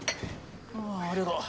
あありがとう。